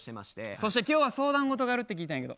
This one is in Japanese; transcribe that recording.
そして今日は相談事があるって聞いたんやけど。